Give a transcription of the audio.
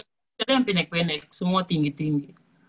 iya keluarga bukan yang pendek pendek semua tinggi tinggi